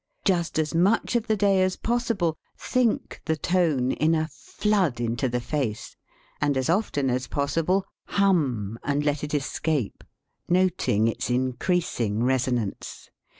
Just as much of the day as possible, think the tone in a flood into the face, and as often as possible hum and let it escape, noting its increasing resonance.